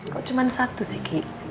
kok cuma satu sih kak